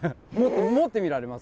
持ってみられます？